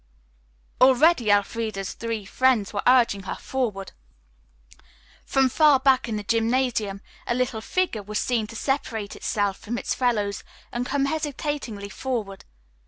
Already Elfreda's three friends were urging her forward. From far back in the gymnasium a little figure was seen to separate itself from its fellows and come hesitatingly forward.